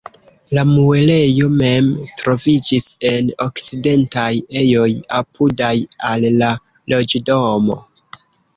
La muelejo mem troviĝis en okcidentaj ejoj apudaj al la loĝdomo.